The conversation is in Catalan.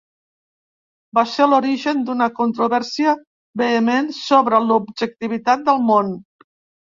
Va ser l'origen d'una controvèrsia vehement sobre l'objectivitat del món.